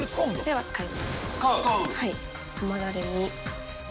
はい。